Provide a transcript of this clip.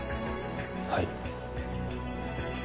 はい。